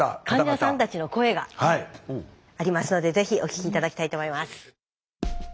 患者さんたちの声がありますのでぜひお聞き頂きたいと思います。